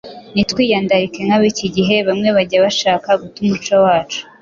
ntitwiyandarike nk’ab’iki gihe bamwe bajya bashaka guta umuco wacu?